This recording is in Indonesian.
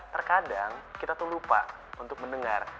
terkadang kita tuh lupa untuk mendengar